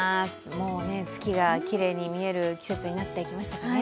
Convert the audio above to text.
もう月がきれいに見える季節になってきましたね。